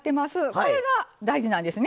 これが大事なんですね。